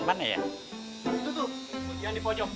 itu tuh yang di pojok